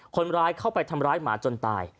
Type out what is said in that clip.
คนร้ายเข้าไปทำร้ายหมาจนตาย